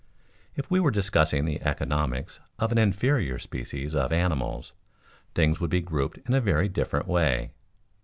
If we were discussing the economics of an inferior species of animals, things would be grouped in a very different way.